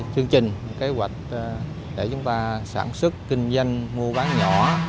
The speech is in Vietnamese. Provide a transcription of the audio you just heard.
chương trình kế hoạch để chúng ta sản xuất kinh doanh mua bán nhỏ